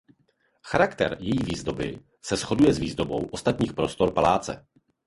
Charakter její výzdoby se shoduje s výzdobou ostatních prostor paláce.